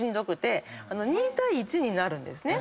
２対１になるんですね。